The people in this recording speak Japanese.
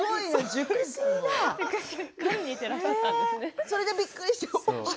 それでびっくりしちゃって。